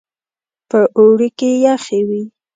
په اوړي کې يخې وې.